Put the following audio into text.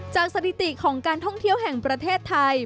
สถิติของการท่องเที่ยวแห่งประเทศไทย